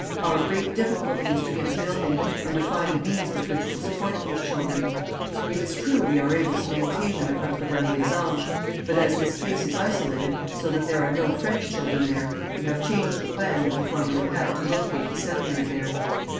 Our great difficulty is to get a building, and to find the means with which to support these children. It is true we are able to maintain them at Notre Dame des Anges; but as this place is isolated, so that there are no French children there, we have changed the plan that we formerly had to locate the seminary there.